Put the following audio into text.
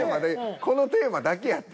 このテーマだけやって。